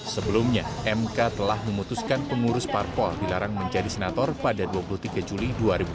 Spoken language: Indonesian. sebelumnya mk telah memutuskan pengurus parpol dilarang menjadi senator pada dua puluh tiga juli dua ribu dua puluh